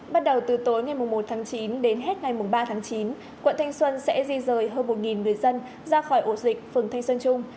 bắt đầu từ tối ngày một tháng chín đến hết ngày ba tháng chín quận thanh xuân sẽ di rời hơn một người dân ra khỏi ổ dịch phường thanh sơn trung